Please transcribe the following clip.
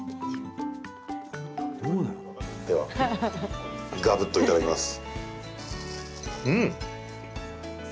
ではがぶっといただきます。